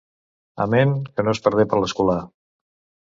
Amén, que no es perdé per l'escolà.